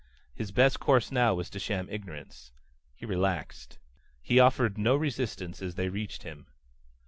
His best course now was to sham ignorance. He relaxed. He offered no resistance as they reached him.